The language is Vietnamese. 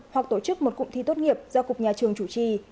hoặc tổ chức một cụm thi tốt nghiệp do cục nhà trường chủ trì